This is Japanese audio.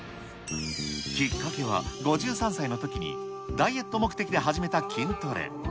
きっかけは５３歳のときに、ダイエット目的で始めた筋トレ。